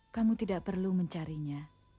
kamu tidak perlu mencarinya